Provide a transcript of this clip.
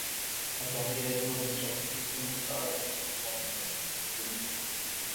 ازادي راډیو د ټرافیکي ستونزې په اړه د خلکو وړاندیزونه ترتیب کړي.